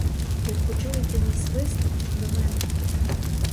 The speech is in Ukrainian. Як почуєте мій свист, до мене!